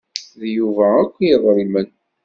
D Yuba akk i iḍelmen.